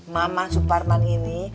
maman suparman ini